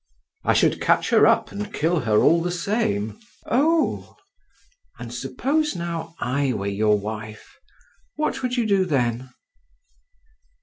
"I should catch her up and kill her all the same." "Oh. And suppose now I were your wife, what would you do then?"